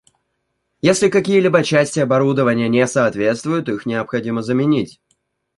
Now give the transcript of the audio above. Если какие-либо части оборудования не соответствуют, их необходимо заменить